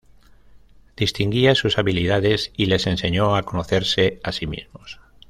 Distinguía sus habilidades y les enseñó a conocerse a sí mismos.